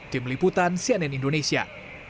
tim liputan cnn indonesia